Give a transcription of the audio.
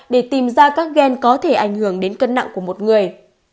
để tìm ra các gen có thể ảnh hưởng đến cân nặng của một người